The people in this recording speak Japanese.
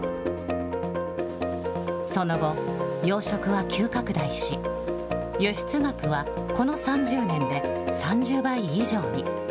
その後、養殖は急拡大し、輸出額はこの３０年で３０倍以上に。